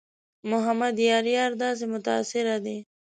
محمد یار یار داسې متاثره دی.